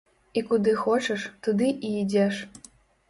І куды хочаш, туды і ідзеш!